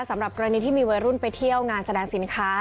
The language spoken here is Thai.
สำหรับกรณีที่มีวัยรุ่นไปเที่ยวงานแสดงสินค้า